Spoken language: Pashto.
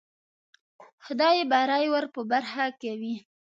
خدای بری ور په برخه کوي.